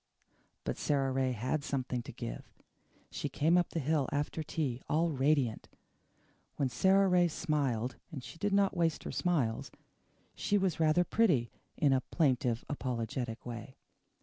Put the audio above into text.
But Sara Ray HAD something to give. She came up the hill after tea, all radiant. When Sara Ray smiled and she did not waste her smiles she was rather pretty in a plaintive, apologetic way.